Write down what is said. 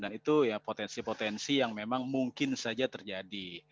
dan itu ya potensi potensi yang memang mungkin saja terjadi